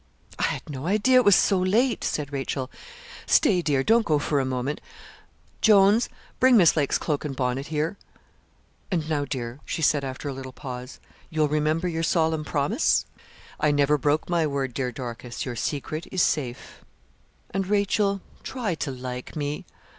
'I had no idea it was so late,' said Rachel. 'Stay, dear, don't go for a moment. Jones, bring Miss Lake's cloak and bonnet here. And now, dear,' she said, after a little pause, 'you'll remember your solemn promise?' 'I never broke my word, dear Dorcas; your secret is safe.' 'And, Rachel, try to like me.'